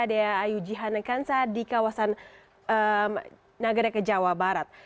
daya ayu jihan nekansa di kawasan nagare ke jawa barat